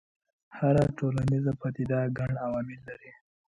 هره ټولنیزه پدیده ګڼ عوامل لري.